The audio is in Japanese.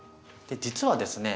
実はですね